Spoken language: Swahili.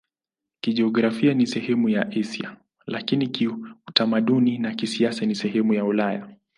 Kijiografia ni sehemu ya Asia, lakini kiutamaduni na kisiasa ni sehemu ya Ulaya.